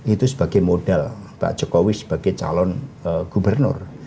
itu sebagai modal pak jokowi sebagai calon gubernur